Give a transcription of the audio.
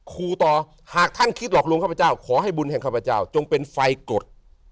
ครูต่อหากท่านคิดหลอกลวงข้าพเจ้าขอให้บุญแห่งข้าพเจ้าจงเป็นไฟกฎ